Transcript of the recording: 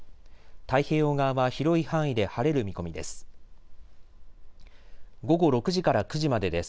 太平洋側は広い範囲で晴れる見込みです。